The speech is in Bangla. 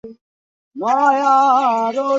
যখন তখন ফেটে যায় বলে বিতরণ লাইনের কাজ শুরু করতে হচ্ছে।